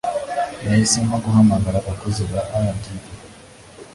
yahisemo guhamagara abakozi ba RDB.